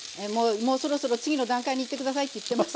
「もうそろそろ次の段階にいって下さい」って言ってます。